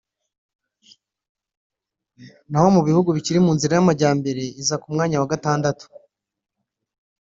na ho mu bihugu bikiri mu nzira y’amajyambere iza ku mwanya wa gatandatu